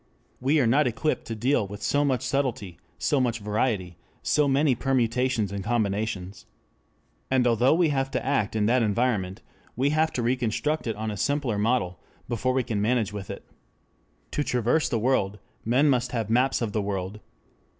We are not equipped to deal with so much subtlety, so much variety, so many permutations and combinations. And although we have to act in that environment, we have to reconstruct it on a simpler model before we can manage with it. To traverse the world men must have maps of the world.